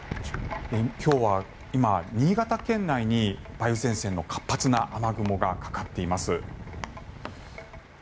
今、新潟県内に梅雨前線の活発な雨雲がかかっています。